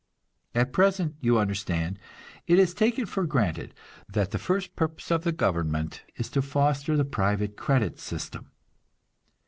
At present, you understand, it is taken for granted that the first purpose of the government is to foster the private credit system.